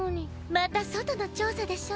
また外の調査でしょ。